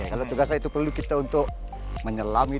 kalau tugasan itu perlu kita untuk menyelam